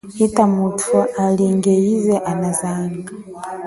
Hita muthu alinge ize anazanga.